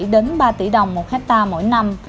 hai bảy đến ba tỷ đồng một hecta mỗi năm